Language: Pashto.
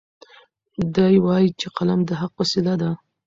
دی وایي چې قلم د حق وسیله ده.